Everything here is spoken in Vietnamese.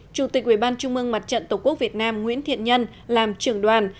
chủ tịch ủy ban trung mương mặt trận tổ quốc việt nam nguyễn thiện nhân làm trưởng đoàn